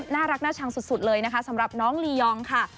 น่ารักน่าชังสุดเลยนะคะสำหรับน้องลียองค่ะ